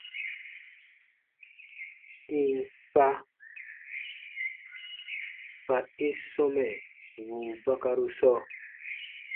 Ì n kpa, kpa i sɔmɛ wùu bakaru sɔɔ.